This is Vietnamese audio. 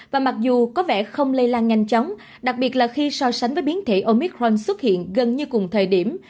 và mặc dù có vẻ không lây lan nhanh chóng đặc biệt là khi so sánh với biến thể omitron xuất hiện gần như cùng thời điểm